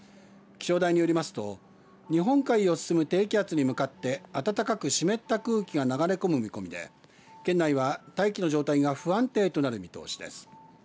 気象台によりますと日本海を進む低気圧に向かって暖かく湿った空気が流れ込む見込みで県内は大気の状態が不安定となる見通しです。